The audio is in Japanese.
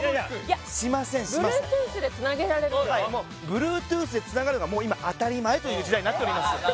これはでもこれいやＢｌｕｅｔｏｏｔｈでつながるのがもう今当たり前という時代になってます